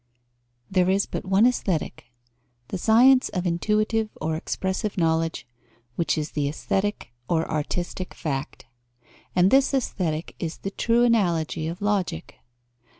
There is but one Aesthetic, the science of intuitive or expressive knowledge, which is the aesthetic or artistic fact. And this Aesthetic is the true analogy of Logic.